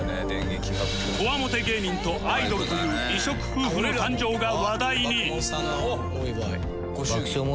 コワモテ芸人とアイドルという異色夫婦の誕生が話題に